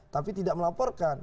tapi tidak melaporkan